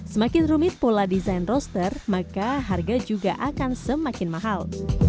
semakin rumit pola desain roster maka harga juga akan semakin mahal